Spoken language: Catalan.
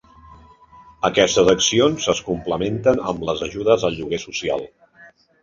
Aquestes accions es complementen amb les ajudes al lloguer social.